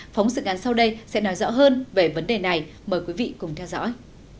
phóng sự ngắn sau đây sẽ nói rõ hơn về vấn đề này mời quý vị cùng theo dõi